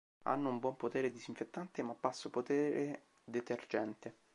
Hanno un buon potere disinfettante ma basso potere detergente.